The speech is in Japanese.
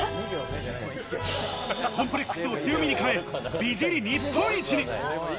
コンプレックスを強みに変え、美尻日本一に。